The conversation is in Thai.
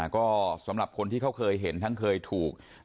ก็สำหรับคนที่เขาเคยเห็นทั้งเคยถูก